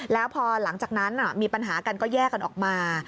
แล้วพอหลังจากนั้นมีปัญหากันก็แยกกันออกมา